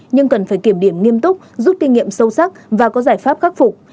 nhưng cần phải kiểm điểm nghiêm túc rút kinh nghiệm sâu sắc và có giải pháp khắc phục